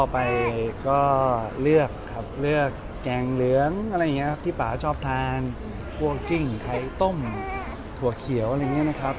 พวกจิ้งไข้ต้มถั่วเขียวอะไรนี้นะครับ